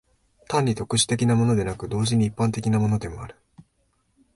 単に特殊的なものでなく、同時に一般的なものである。